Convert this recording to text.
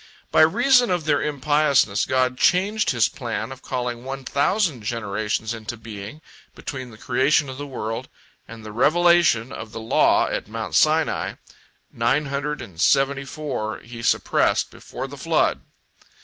By reason of their impiousness God changed His plan of calling one thousand generations into being between the creation of the world and the revelation of the law at Mount Sinai; nine hundred and seventy four He suppressed before the flood.